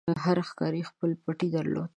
هر ښکاري خپل پټی درلود.